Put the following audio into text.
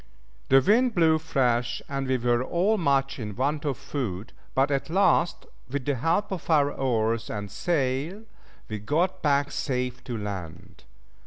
The wind blew fresh, and we were all much in want of food, but at last, with the help of our oars and sail, we got back safe to land.